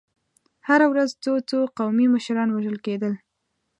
هره ورځ څو څو قومي مشران وژل کېدل.